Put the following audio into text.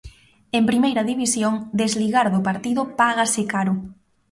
En Primeira División, desligar do partido págase caro.